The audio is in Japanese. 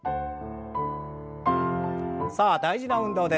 さあ大事な運動です。